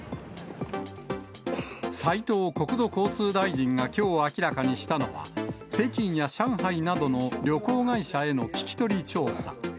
斉藤国土交通大臣がきょう明らかにしたのは、北京や上海などの旅行会社への聞き取り調査。